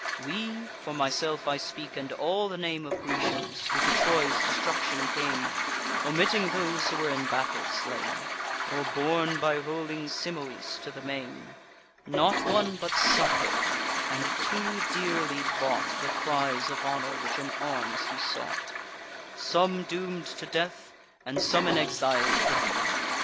We—for myself I speak, and all the name Of Grecians, who to Troy's destruction came, (Omitting those who were in battle slain, Or borne by rolling Simois to the main) Not one but suffer'd, and too dearly bought The prize of honour which in arms he sought; Some doom'd to death, and some in exile driv'n.